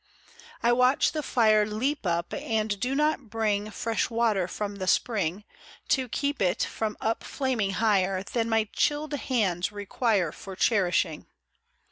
I watch the fire Leap up, and do not bring Fresh water from the spring To keep it from up flaming higher Than my chilled hands require For cherishing.